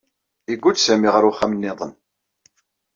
Iguǧǧ Sami ɣer uxxam niḍen.